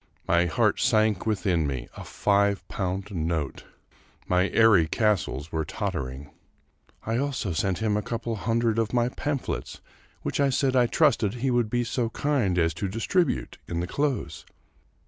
My heart sank within me I A iive pound note ! My airy castles were tottering !" I also sent him a couple of hundred of my pamphlets, which I said I trusted he would be so kind as to distribute in the close."